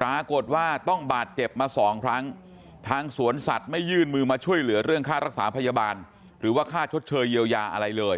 ปรากฏว่าต้องบาดเจ็บมาสองครั้งทางสวนสัตว์ไม่ยื่นมือมาช่วยเหลือเรื่องค่ารักษาพยาบาลหรือว่าค่าชดเชยเยียวยาอะไรเลย